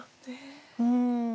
うん。